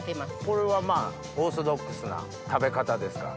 これはオーソドックスな食べ方ですか？